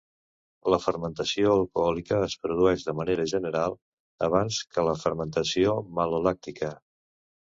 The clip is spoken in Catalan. La fermentació alcohòlica es produeix de manera general abans que la fermentació malolàctica.